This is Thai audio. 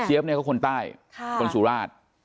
เจี๊ยบเนี่ยก็คนใต้คนสู่ราช